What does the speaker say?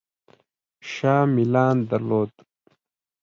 شاه میلان درلود.